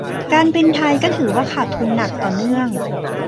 การบินไทยก็ถือว่าขาดทุนหนักต่อเนื่อง